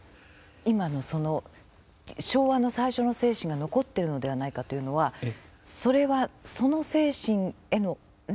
今のその昭和の最初の精神が残ってるのではないかというのはそれはその精神への何か憧れみたいなものですか？